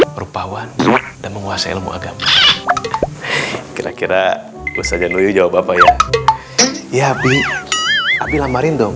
merupakan dan menguasai ilmu agama kira kira usaha nuyut jawab apa ya ya api api lamarin dong